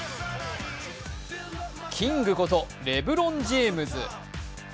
キングことレブロン・ジェームズ。